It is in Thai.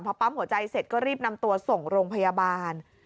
พอปั๊มหัวใจเสร็จก็รีบนำตัวส่งโรงพยาบาล